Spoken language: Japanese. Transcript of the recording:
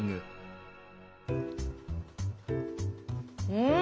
うん！